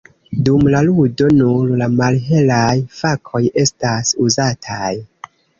Dum la ludo nur la malhelaj fakoj estas uzataj.